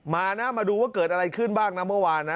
มานะมาดูว่าเกิดอะไรขึ้นบ้างนะเมื่อวานนะ